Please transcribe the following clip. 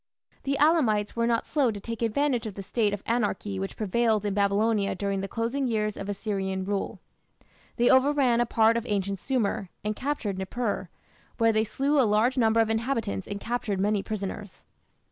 The Elamites were not slow to take advantage of the state of anarchy which prevailed in Babylonia during the closing years of Assyrian rule. They overran a part of ancient Sumer, and captured Nippur, where they slew a large number of inhabitants and captured many prisoners.